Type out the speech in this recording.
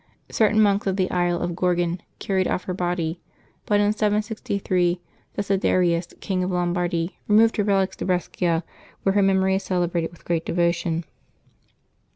Certain monks of the isle of Gorgon carried off her body ; but in 763 Desiderius, King of Lombardy, removed her relics to Brescia, where her memory is celebrated with great devotion.